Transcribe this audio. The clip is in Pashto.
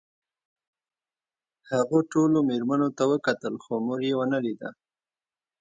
هغه ټولو مېرمنو ته وکتل خو مور یې ونه لیده